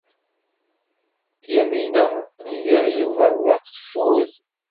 Yamina n Yiɣil Ubeṛwaq teffud.